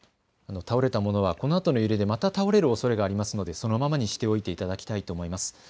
倒れたものはこのあとの揺れでまた倒れるおそれがありますのでそのままにしておいていただきたいと思います。